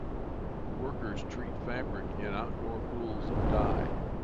Workers treat fabric in outdoor pools of dye.